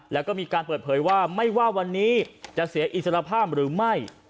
แล้วก็มีการเปิดเผยว่าไม่ว่าวันนี้จะเสียอิสระภาพหรือไม่